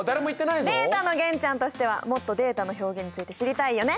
データの玄ちゃんとしてはもっとデータの表現について知りたいよね？